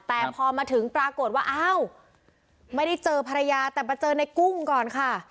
แต่พอมาถึงปรากฏว่าอ้าวไม่ได้เจอภรรยาแต่มาเจอในกุ้งก่อนค่ะ